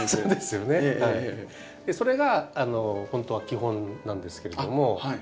それがほんとは基本なんですけれども。